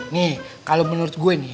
nih kalau menurut gue nih